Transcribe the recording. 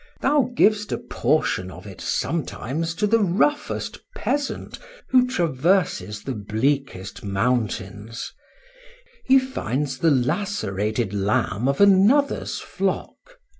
Thou giv'st a portion of it sometimes to the roughest peasant who traverses the bleakest mountains;—he finds the lacerated lamb of another's flock.